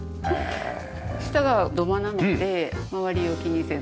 下が土間なので周りを気にせず。